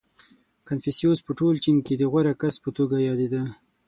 • کنفوسیوس په ټول چین کې د غوره کس په توګه یادېده.